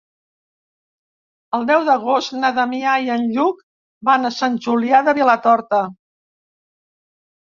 El deu d'agost na Damià i en Lluc van a Sant Julià de Vilatorta.